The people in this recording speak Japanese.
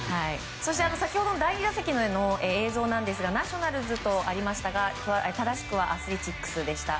先ほど第２打席での映像ですがナショナルズとありましたが正しくはアスレチックスでした。